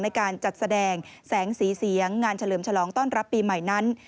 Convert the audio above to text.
ในการจัดแสดงแสงสีเสียงงานเฉลิมฉลองต้อนรับปีใหม่นั้น